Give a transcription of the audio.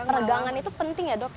jadi peregangan itu penting ya dok